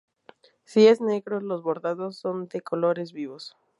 Si es negro los bordados son de colores vivos.